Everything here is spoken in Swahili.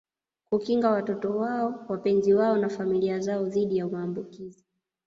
Kukinga watoto wao wapenzi wao na familia zao dhidi ya maambukizi